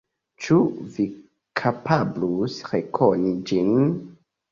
Ĉu Vi kapablus rekoni ĝin?